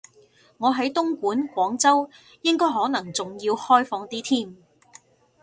我喺東莞，廣州應該可能仲要開放啲添